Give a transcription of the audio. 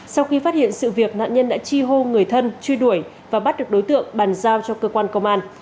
sau khi phát hiện sự việc nạn nhân đã chi hô người thân truy đuổi và bắt được đối tượng bàn giao cho cơ quan công an